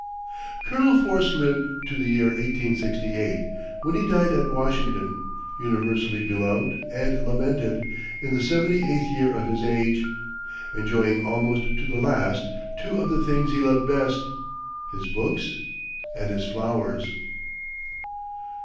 Colonel Force lived to the year 1868, when he died at Washington, universally beloved and lamented, in the seventy eighth year of his age, enjoying almost to the last two of the things he loved best his books and his flowers.